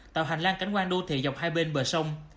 tạo hành lang cảnh quan đô thị dọc hai bên bờ sông